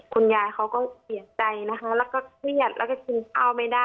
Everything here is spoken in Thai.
คุณยายเขาก็เสียใจนะคะแล้วก็เครียดแล้วก็กินข้าวไม่ได้